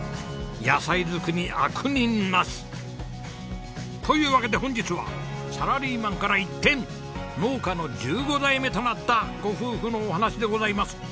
野菜好きに悪人なし！というわけで本日はサラリーマンから一転農家の１５代目となったご夫婦のお話でございます。